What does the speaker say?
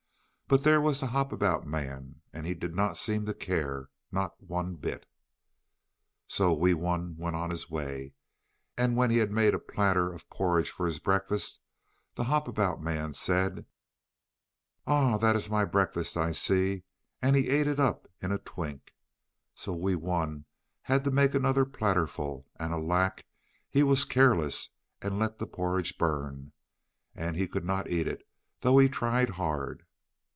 But there was the Hop about Man, and he did not seem to care, not one bit. So Wee Wun went on his way, and when he had made a platter of porridge for his breakfast, the Hop about Man said: "Ah, that is my breakfast, I see," and he ate it up in a twink. So Wee Wun had to make another platterful, and alack, he was careless, and let that porridge burn, and he could not eat it, though he tried hard.